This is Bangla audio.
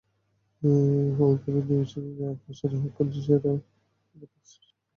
হুমায়ুন কবীর নেমেছিলেন কাসা রেহাকে সেরা একটি প্রতিষ্ঠান হিসেবে দাঁড় করানোর সংগ্রামে।